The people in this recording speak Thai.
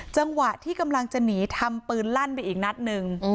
จังหวะที่กำลังจะหนีทำปืนลั่นไปอีกนัดหนึ่ง